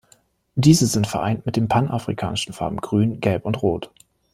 Diese sind vereint mit den Panafrikanischen Farben Grün, Gelb und Rot.